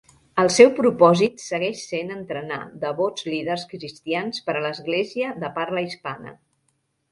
El seu propòsit segueix sent entrenar devots líders cristians per a l'església de parla hispana.